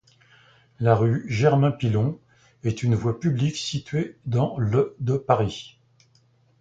La rue Germain-Pilon est une voie publique située dans le de Paris.